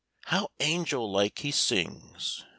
"How angel like he sings!"